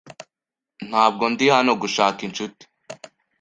Ntabwo ndi hano gushaka inshuti.